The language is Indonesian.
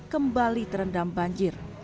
kembali terendam banjir